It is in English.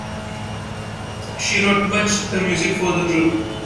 She wrote much the music for the group.